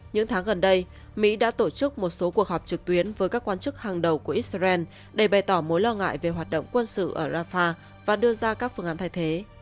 những tháng gần đây mỹ đã tổ chức một số cuộc họp trực tuyến với các quan chức hàng đầu của israel để bày tỏ mối lo ngại về hoạt động quân sự ở rafah và đưa ra các phương án thay thế